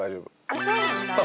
あっそうなんだ。